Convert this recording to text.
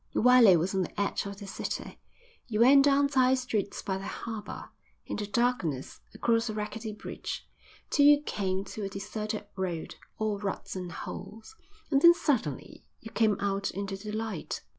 Iwelei was on the edge of the city. You went down side streets by the harbour, in the darkness, across a rickety bridge, till you came to a deserted road, all ruts and holes, and then suddenly you came out into the light.